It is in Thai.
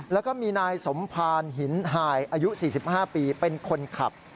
แล้วก็มีนายสมภารหินหายอายุ๔๕ปีเป็นคนขับ